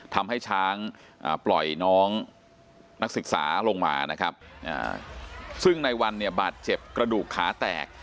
ทำให้ช้างปล่อยน้องนักศึกษาลงมานะครับซึ่งในวันเนี่ยบาดเจ็บกระดูกขาแตก